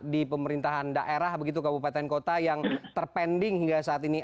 di pemerintahan daerah begitu kabupaten kota yang terpending hingga saat ini